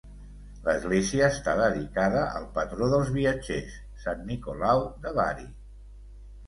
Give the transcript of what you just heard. L'església està dedicada al patró dels viatgers, sant Nicolau de Bari.